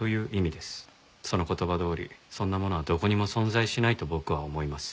その言葉どおりそんなものはどこにも存在しないと僕は思います。